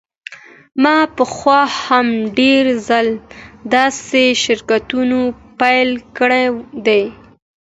ما پخوا هم ډیر ځله داسې شرکتونه پیل کړي دي